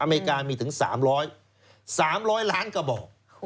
เมริกามีถึง๓๐๐๓๐๐ล้านกระบอก